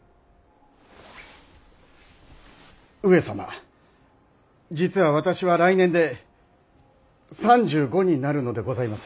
上様実は私は来年で３５になるのでございます！